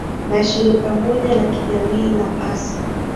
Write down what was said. na shirika moja la kijamii la assa